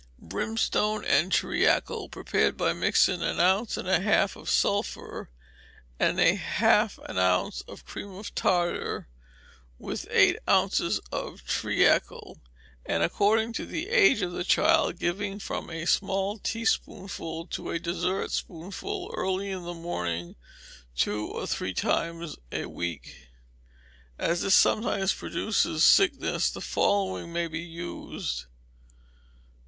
Brimstone and treacle, prepared by mixing an ounce and a half of sulphur, and half an ounce of cream of tartar, with eight ounces of treacle; and, according to the age of the child, giving from a small teaspoonful to a dessertspoonful, early in the morning, two or three times a week. As this sometimes produces sickness, the following may be used: ii.